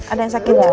ada yang sakit enggak